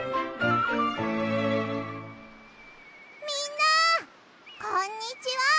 みんなこんにちは！